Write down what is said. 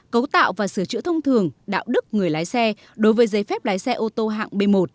cấu tạo và sửa chữa thông thường đạo đức người lái xe đối với giấy phép lái xe ô tô hạng b một